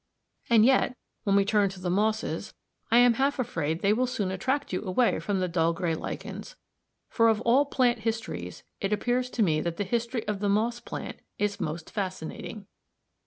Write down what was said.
And yet, when we turn to the mosses, I am half afraid they will soon attract you away from the dull grey lichens, for of all plant histories it appears to me that the history of the moss plant is most fascinating.